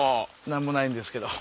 何もないんですけど。